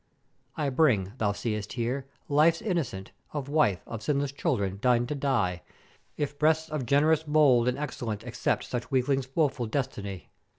"'I bring, thou seest here, lives innocent, of wife, of sinless children dight to die; if breasts of gen'erous mould and excellent accept such weaklings' woeful destiny.